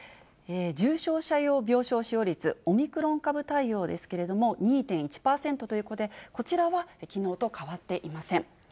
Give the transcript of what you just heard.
重症者用病床使用率、オミクロン株対応ですけれども、２．１％ということで、こちらはきのうと変わっていません。